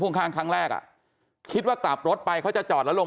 ข้างครั้งแรกอ่ะคิดว่ากลับรถไปเขาจะจอดแล้วลง